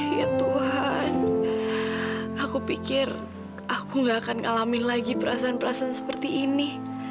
ya tuhan aku pikir aku gak akan ngalamin lagi perasaan perasaan seperti ini